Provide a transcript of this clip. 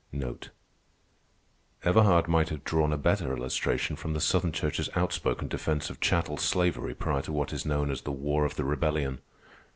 Everhard might have drawn a better illustration from the Southern Church's outspoken defence of chattel slavery prior to what is known as the "War of the Rebellion."